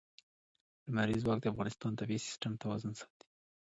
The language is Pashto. لمریز ځواک د افغانستان د طبعي سیسټم توازن ساتي.